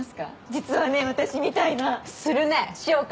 「実はね私」みたいなするねしようか？